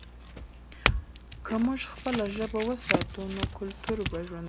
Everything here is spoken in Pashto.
که موږ خپله ژبه وساتو، نو کلتور به ژوندی وي.